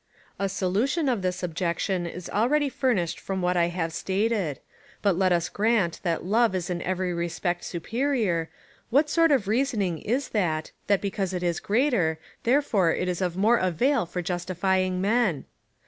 A solution of this objection is already furnished CHAP. XIV. FIRST EPISTLE TO THE CORINTHIANS. 433 from wliat I have stated, but let us grant that love is in every respect superior ; what sort of reasoning is that — that be cause it is greater, therefore it is of more avail for justifying men